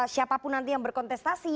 siapapun nanti yang berkontestasi